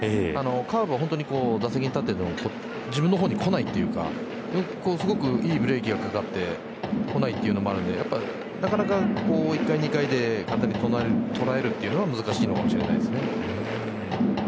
カーブは本当、打席に立っても自分の方にこないというかすごくいいブレーキがかかってこないというのもあるのでなかなか、１回２回で簡単に捉えるのは難しいかもしれないですね。